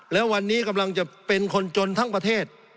และวันนี้กำลังจะเป็นคนจนทั้งประเทศ